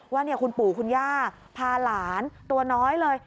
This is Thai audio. ว่าคุณปู่คุณย่าพาหลานตัวน้อยเลย